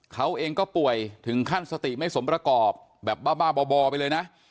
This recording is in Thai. เขาเองก็ป่วยถึงขั้นสติไม่สมประกอบแบบบ้าบ่อไปเลยนะ